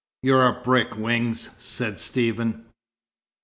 "You're a brick, Wings," said Stephen.